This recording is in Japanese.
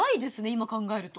今考えると。